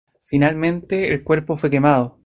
Finalmente, el cuerpo fue quemado.